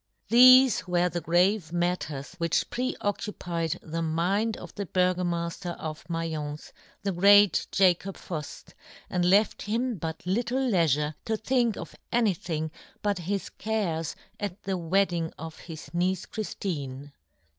Thefe were the grave matters which pre occupied the mind of the Burgomafter of Maience, the great Jacob Fuft, and left him but little leifure to think of anything but his cares at the wedding of his niece Chriftine.